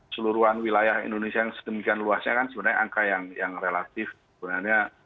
seluruhan wilayah indonesia yang sedemikian luasnya kan sebenarnya angka yang relatif sebenarnya